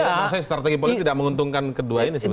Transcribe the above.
maksudnya strategi politik tidak menguntungkan kedua ini sebenarnya